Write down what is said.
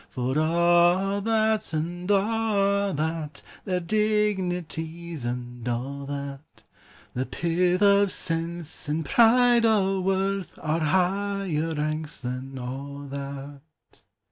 399 For a' that, and a' that ; Their dignities, and a' that, The pith o' sense, and pride o' worth, Are higher ranks than a 1 that.